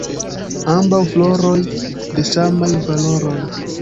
Ambaŭ floroj de samaj valoroj.